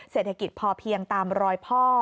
เศรษฐกิจพอเพียงตามรอยพ่อ